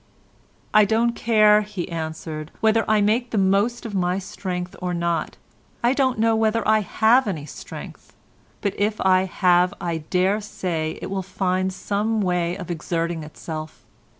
"I don't care," he answered, "whether I make the most of my strength or not; I don't know whether I have any strength, but if I have I dare say it will find some way of exerting itself.